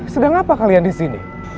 sedang apa kalian disini